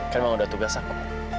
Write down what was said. kamu udah tugas aku